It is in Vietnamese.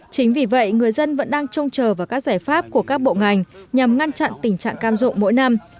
chính vì vậy người dân vẫn đang trông chờ vào các giải pháp của các bộ ngành nhằm ngăn chặn tình trạng cam dụng mỗi năm